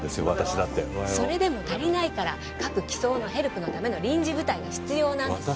私だってそれでも足りないから各機捜のヘルプのための臨時部隊が必要です